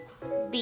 Ｂ。